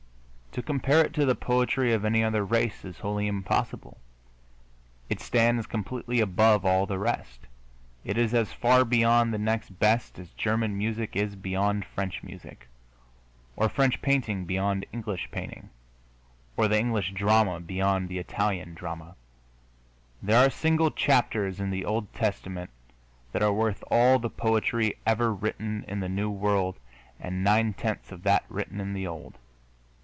To compare it to the poetry of any other race is wholly impossible; it stands completely above all the rest; it is as far beyond the next best as German music is beyond French music, or French painting beyond English painting, or the English drama beyond the Italian drama. There are single chapters in the Old Testament that are worth all the poetry ever written in the New World and nine tenths of that written in the Old.